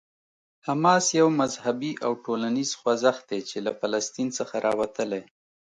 حماس یو مذهبي او ټولنیز خوځښت دی چې له فلسطین څخه راوتلی.